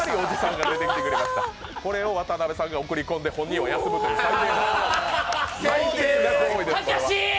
これを渡辺さんが送り込んで本人は休むという最低な行為です。